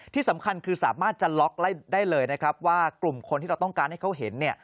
ที่สำคัญคือสามารถจะล็อกได้เลยนะครับว่ากลุ่มคนที่เราต้องการให้เขาเห็นเนี่ย